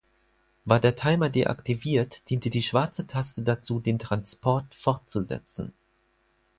War der Timer deaktiviert, diente die schwarze Taste dazu, den Transport fortzusetzen.